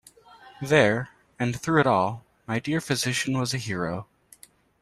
There, and through it all, my dear physician was a hero.